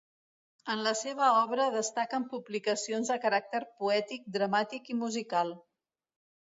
En la seva obra destaquen publicacions de caràcter poètic, dramàtic i musical.